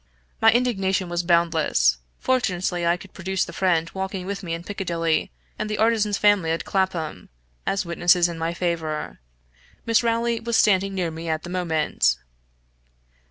My indignation was boundless; fortunately I could produce the friend walking with me in Piccadilly, and the artisan's family at Clapham, as witnesses in my favor. Miss Rowley was standing near me at the moment.